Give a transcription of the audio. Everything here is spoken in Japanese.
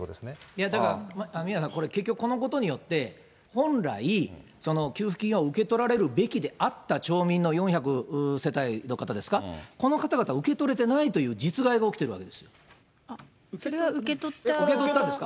いやだから、宮根さん、結局このことによって、本来、給付金を受け取られるべきであった町民の４００世帯の方ですか、この方々、受け取れてないという実害が起きているわけですそれは受け取った。